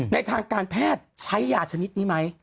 ทางการแพทย์ใช้ยาชนิดนี้ไหม